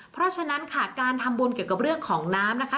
เพราะฉะนั้นค่ะการทำบุญเกี่ยวกับเรื่องของน้ำนะคะ